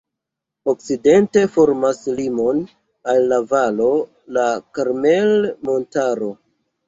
Okcidente formas limon al la valo la Karmel-montaro.